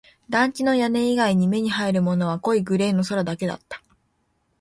団地の屋根以外に目に入るものは濃いグレーの空だけだった